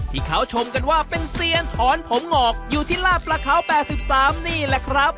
ที่เขาชมกันว่าเป็นเซียนถอนผมงอกอยู่ที่ลาดประเขา๘๓นี่แหละครับ